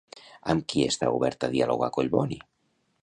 Amb qui està obert a dialogar Collboni?